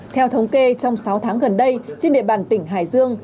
theo thống kê trong sáu tháng gần đây trên địa bàn tỉnh hải dương